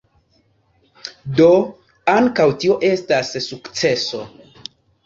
Do, ankaŭ tio estas sukceso.